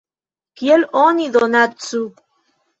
Kiel oni donacu?